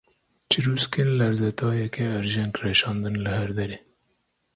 Çirûskên lerzetayeke erjeng reşandin li her derê.